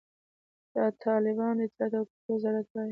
د طالبانو د اطلاعاتو او کلتور وزارت وایي،